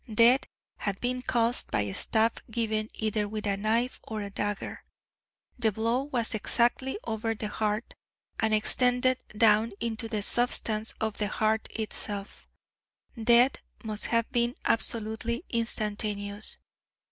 Death had been caused by a stab given either with a knife or dagger. The blow was exactly over the heart, and extended down into the substance of the heart itself. Death must have been absolutely instantaneous.